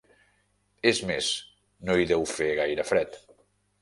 És més, no hi deu fer gaire fred.